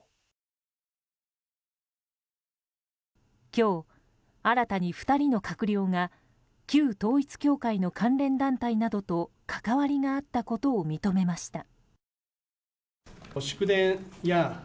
今日、新たに２人の閣僚が旧統一教会の関連団体などと関わりがあったことを認めました。